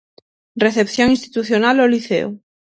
Recepción institucional ao Liceo.